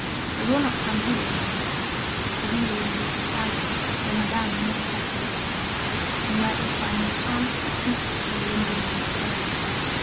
"They will not come here," I answered; for we were in the little salon where Madame never sat in the evening, and where it was by mere chance that heat was still lingering in the stove.